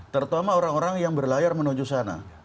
terutama orang orang yang berlayar menuju sana